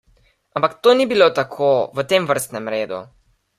Ampak to ni bilo tako v tem vrstnem redu.